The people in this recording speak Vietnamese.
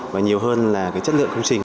và nhiều hơn là cái chất lượng công trình